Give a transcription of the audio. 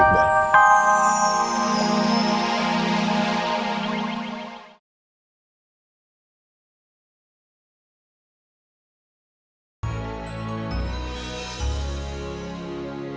kita harus cari